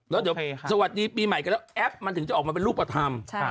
แล้วสวัสดีปีใหม่ก็แอปมันถึงจะออกมาเป็นรูปธรรม